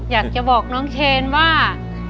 อยากจะบอกน้องเชนว่า